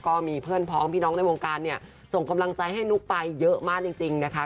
ก็มีเพื่อนพร้อมพี่น้องในวงการเนี่ยส่งกำลังใจให้นุ๊กไปเยอะมากจริงนะคะ